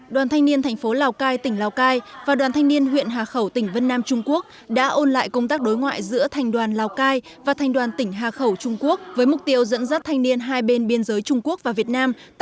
đoàn thanh niên thành phố lào cai tỉnh lào cai và đoàn thanh niên huyện hà khẩu tỉnh vân nam trung quốc đã ôn lại công tác đối ngoại giữa thành đoàn lào cai và thành đoàn tỉnh hà khẩu trung quốc với mục tiêu dẫn dắt thanh niên hai bên biên giới trung quốc và việt nam